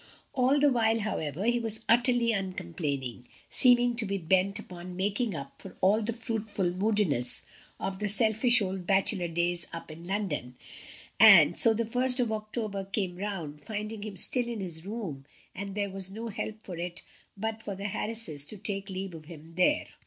All the while, however, he was utterly uncomplaining, seeming to be bent upon making up for all the fretful moodiness of the selfish old bachelor days up in London. And so the first of October came round, finding him still in his room, and there was no help for it but for the Harrises to take leave of him there.